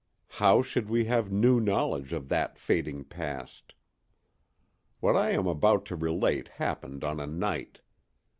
How should we have new knowledge of that fading past? What I am about to relate happened on a night.